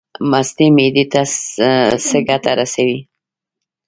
مستې معدې ته څه ګټه رسوي؟